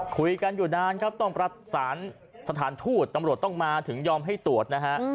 คุยกันอยู่นานครับต้องประสานสถานทูตตำรวจต้องมาถึงยอมให้ตรวจนะฮะ